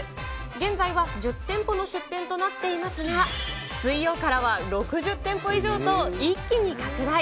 現在は１０店舗の出店となっていますが、水曜からは６０店舗以上と、一気に拡大。